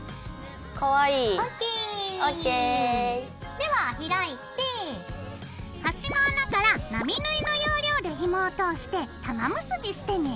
かわいい！ＯＫ！ＯＫ！では開いて端の穴から並縫いの要領でひもを通して玉結びしてね。